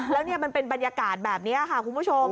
แล้วนี่มันเป็นบรรยากาศแบบนี้ค่ะคุณผู้ชม